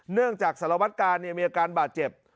เนื่องจากสารวัตกาลมีอาการบาดเจ็บ